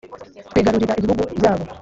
twigarurira ibihugu byabo,